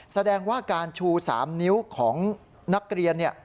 แสดงว่าการชู๓นิ้วของนักเรียนเนี่ย